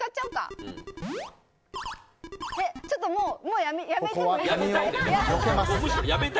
ちょっともう、やめてもいい？